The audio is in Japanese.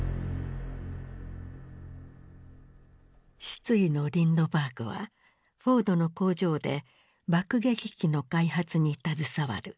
失意のリンドバーグはフォードの工場で爆撃機の開発に携わる。